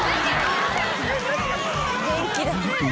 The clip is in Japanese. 元気だ。